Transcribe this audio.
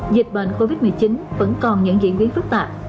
dịch bệnh covid một mươi chín vẫn còn những diễn biến phức tạp